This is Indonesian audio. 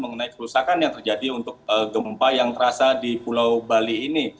mengenai kerusakan yang terjadi untuk gempa yang terasa di pulau bali ini